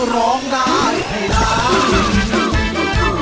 ร้องได้ให้ร้าน